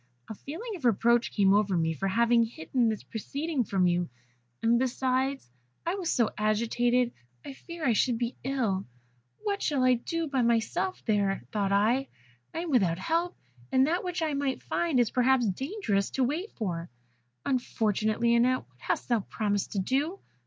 A feeling of reproach came over me for having hidden this proceeding from you; and besides, I was so agitated, I feared I should be ill. 'What shall I do by myself here?' thought I; 'I am without help, and that which I might find is perhaps dangerous to wait for. Unfortunate Lionette, what hast thou promised to do?